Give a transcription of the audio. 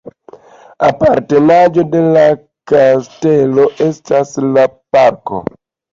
Apartenaĵo de la kastelo estas la parko.